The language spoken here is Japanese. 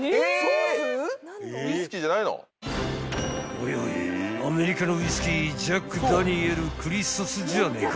［おいおいアメリカのウイスキージャックダニエルクリソツじゃねえか］